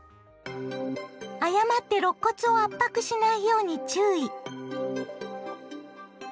誤ってろっ骨を圧迫しないように注意！